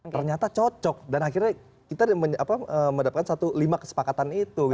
ternyata cocok dan akhirnya kita mendapatkan satu lima kesepakatan itu